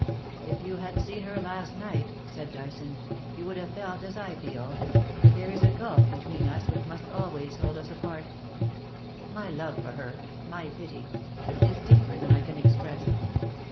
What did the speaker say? * If you had seen her last night,' said Dyson, * you would have felt as I feel— that there is a gulf between us which must always hold us apart. My love for her — my pity — is deeper than I can express.